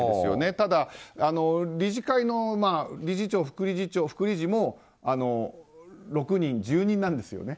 ただ、理事会の理事長・副理事も６人、住人なんですよね。